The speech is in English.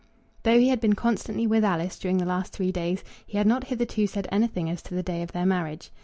Though he had been constantly with Alice during the last three days, he had not hitherto said anything as to the day of their marriage.